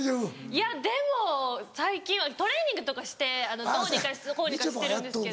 いやでも最近はトレーニングとかしてどうにかこうにかしてるんですけど。